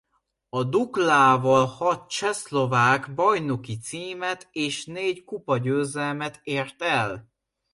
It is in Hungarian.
A Duklával hat csehszlovák bajnoki címet és négy kupagyőzelmet ért el.